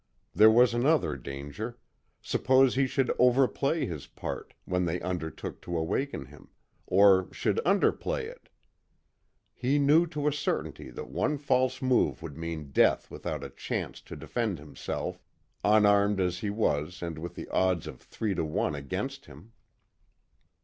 There was another danger, suppose he should over play his part, when they undertook to awaken him, or should under play it? He knew to a certainty that one false move would mean death without a chance to defend himself, unarmed as he was and with the odds of three to one against him.